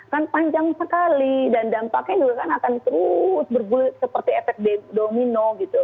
kan panjang sekali dan dampaknya juga kan akan terus bergulir seperti efek domino gitu